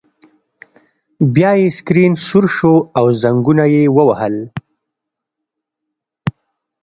بیا یې سکرین سور شو او زنګونه یې ووهل